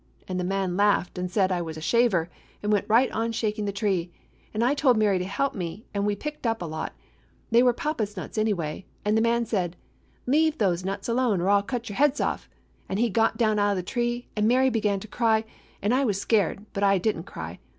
And the man laughed an' said I was a shaver, and went right on shaking the tree. And I told Mary to help me, and we picked up a lot. They were papa's nuts any way. And the man said, 'Leave those nuts alone, or I 'll cut your heads off,' and he got down out of the tree ; and Mary began to cry, and I was scared, but I did n't cry.